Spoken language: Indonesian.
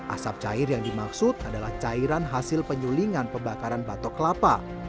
asap cair yang dimaksud adalah cairan hasil penyulingan pembakaran batok kelapa